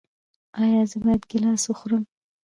ایا زه باید ګیلاس وخورم؟